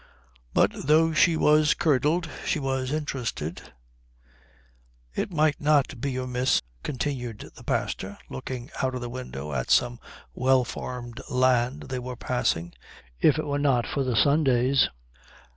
But though she was curdled she was interested. "It might not be amiss," continued the pastor, looking out of the window at some well farmed land they were passing, "if it were not for the Sundays."